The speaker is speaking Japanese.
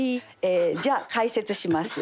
じゃあ解説します。